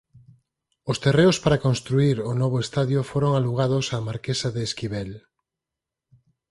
Os terreos para construír o novo estadio foron alugados á marquesa de Esquivel.